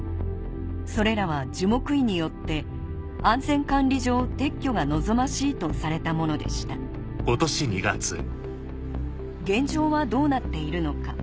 それらは樹木医によって「安全管理上撤去が望ましい」とされたものでした現状はどうなっているのか